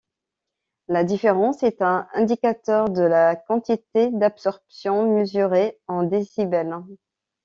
La différence est un indicateur de la quantité d'absorption mesuré en décibels.